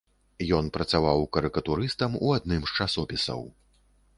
Ён працаваў карыкатурыстам ў адным з часопісаў.